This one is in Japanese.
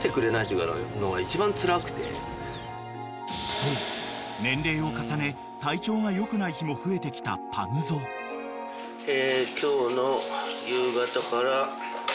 ［そう年齢を重ね体調が良くない日も増えてきたパグゾウ］ねえ。ねえ。